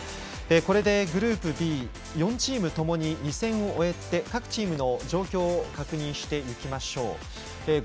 これでグループＢ、４チーム共に２戦を終えての各チームの状況確認していきましょう。